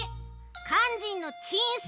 かんじんのちんす